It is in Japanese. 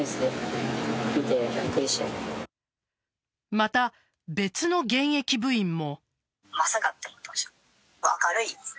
また、別の現役部員も。